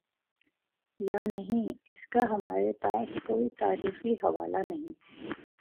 یانہیں، اس کا ہمارے پاس کوئی تاریخی حوالہ نہیں۔